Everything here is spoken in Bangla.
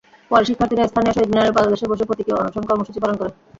পরে শিক্ষার্থীরা স্থানীয় শহীদ মিনারের পাদদেশে বসে প্রতীকী অনশন কর্মসূচি পালন করে।